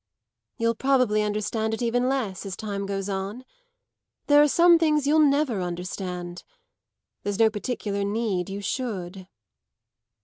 "You'll probably understand it even less as time goes on. There are some things you'll never understand. There's no particular need you should."